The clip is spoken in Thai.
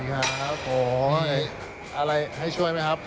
พี่โอ๊ยอะไรให้ช่วยไหมครับ